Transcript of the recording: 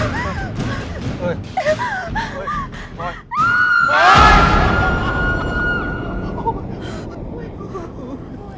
สิหลับปากไว้หน่อย